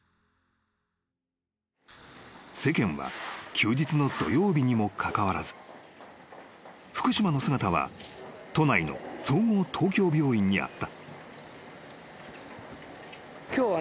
［世間は休日の土曜日にもかかわらず福島の姿は都内の総合東京病院にあった］